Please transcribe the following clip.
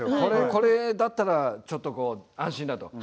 これだったらちょっと安心だと。